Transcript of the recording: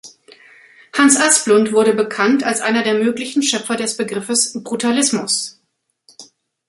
Hans Asplund wurde bekannt als einer der möglichen Schöpfer des Begriffes "Brutalismus".